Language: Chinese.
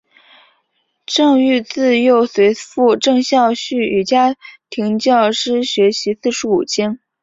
郑禹自幼随父郑孝胥与家庭教师学习四书五经。